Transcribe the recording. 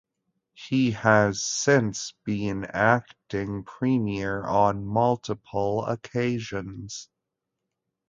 He has since been acting premier on multiple occasions.